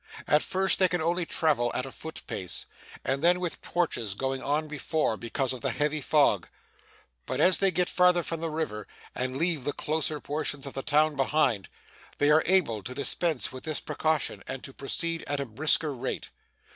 At first, they can only travel at a foot pace, and then with torches going on before, because of the heavy fog. But, as they get farther from the river, and leave the closer portions of the town behind, they are able to dispense with this precaution and to proceed at a brisker rate.